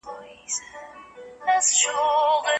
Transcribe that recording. بد انسان تل جهالت خوښوي